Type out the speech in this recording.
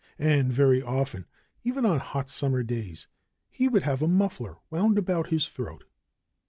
And very often, even on hot summer days, he would have a muffler wound about his throat.